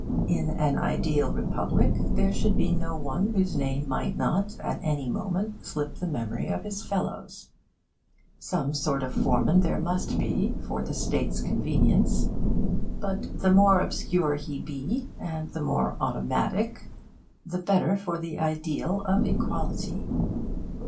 In an ideal republic there should be no one whose name might not at any moment slip the memory of his fellows. Some sort of foreman there must be, for the State's convenience; but the more obscure he be, and the more automatic, the better for the ideal of equality.